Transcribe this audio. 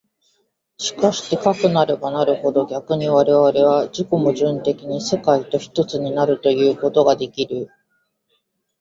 しかしてかくなればなるほど、逆に我々は自己矛盾的に世界と一つになるということができる。